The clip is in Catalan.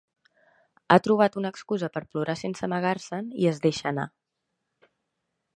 Ha trobat una excusa per plorar sense amagar-se'n i es deixa anar.